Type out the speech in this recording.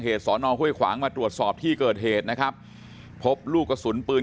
สอนอห้วยขวางมาตรวจสอบที่เกิดเหตุนะครับพบลูกกระสุนปืน